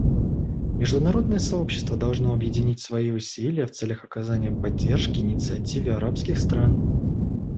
Международное сообщество должно объединить свои усилия в целях оказания поддержки инициативе арабских стран.